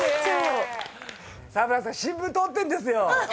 沢村さん新聞取ってんですよ。